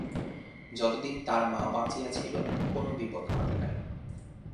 যতদিন তার মা বাঁচিয়া ছিল কোনো বিপদ ঘটে নাই।